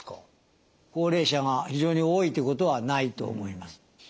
高齢者が非常に多いということはないと思います。